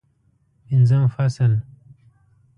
پنځم فصل